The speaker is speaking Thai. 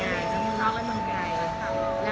แล้วใน๒๔ปี๑๒๓ปีมาปูก็สินมาก่อนในมิตรเรื่องแล้ว